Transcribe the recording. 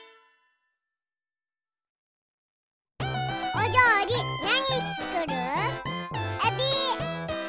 おりょうりなにつくる？えび。